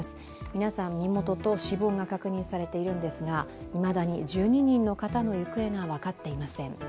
皆さん身元と死亡が確認されているんですが、いまだに１２人の方の行方が分かっていません。